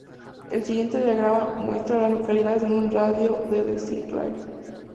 El siguiente diagrama muestra a las localidades en un radio de de Sinclair.